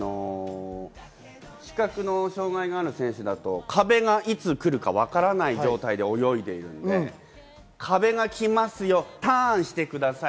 視覚障害のある選手だと、壁がいつ来るかわからない状態で泳いでいるので壁が来ますよ、ターンしてください。